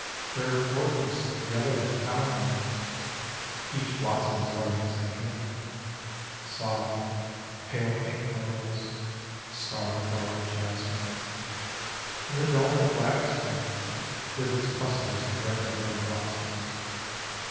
There are gorgeous yellow alamanders, each blossom as large as a hand; soft pale pink myrtles, star flowered jasmines, and the delicate wax plant with its clusters of red or white blossoms.